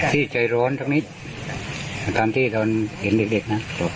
ที่ใจร้อนสักนิดตามที่ตอนเห็นเด็กนะ